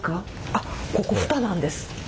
あっここ蓋なんです。